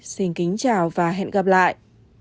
xin kính chào và hẹn gặp lại